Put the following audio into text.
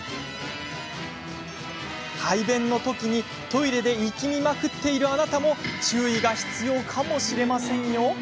排便のときにトイレで息みまくっているあなたも注意が必要かもしれませんよ。